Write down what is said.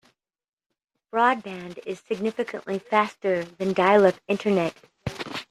Broadband is significantly faster than dial-up internet.